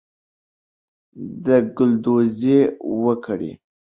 ګلدوزی وکړئ.